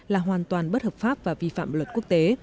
là hoàn toàn bất hợp pháp và vi phạm luật quốc tế